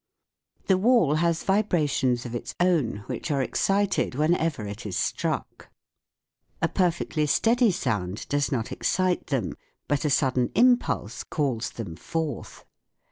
The wall has vibrations of its own which are excited whenever it is struck. SOUND IN WAR 167 A perfectly steady sound does not excite them ; but a sudden impulse calls them forth.